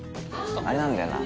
あれなんだよな